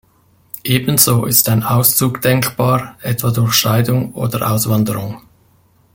Ebenso ist ein Auszug denkbar, etwa durch Scheidung oder Auswanderung.